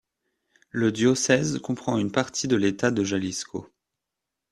Le diocèse comprend une partie de l'État de Jalisco.